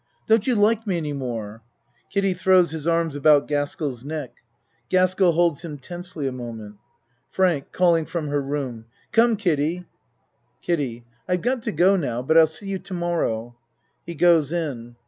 Don't you like me any more? (Kiddie throws his arms about Gaskell' s neck. Gas kell holds him tensely a moment.) FRANK (Calling from her room.) Come, Kid die. KIDDIE I've got to go now, but I'll see you to morrow. (He goes in.